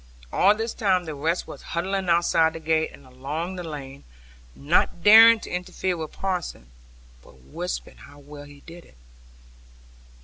All this time the rest were huddling outside the gate, and along the lane, not daring to interfere with parson, but whispering how well he did it.